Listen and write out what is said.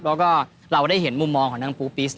แล้วก็เราได้เห็นมุมมองของทางปูปิส